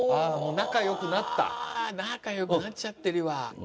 仲よくなっちゃってるわ。